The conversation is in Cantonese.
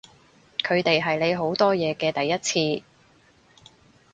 佢哋係你好多嘢嘅第一次